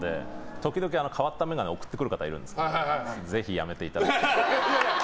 時々変わった眼鏡を送ってくる方いるんですけどぜひやめていただきたいと思います。